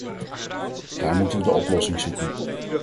Daar moeten we de oplossing zoeken.